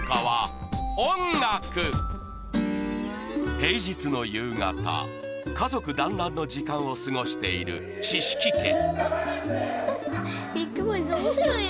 平日の夕方家族団らんの時間を過ごしている知色家面白いね。